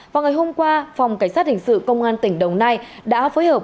vào ngày hôm qua phòng cảnh sát hình sự công an tỉnh đồng nai đã phối hợp